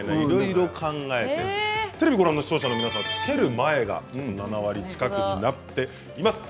テレビご覧の視聴者の皆さんつける前が７割近くになっています。